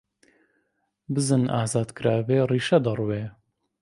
بزن ئازاد کرابێ، ڕیشە دەڕوێ!